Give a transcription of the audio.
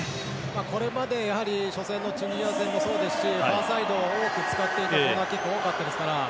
これまで初戦のチュニジア戦もそうですしファーサイドを多く使っていたコーナーキックが多かったですから。